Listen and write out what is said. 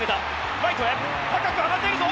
ライトへ高く上がっているぞ！